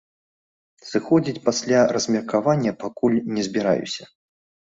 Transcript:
Сыходзіць пасля размеркавання пакуль не збіраюся.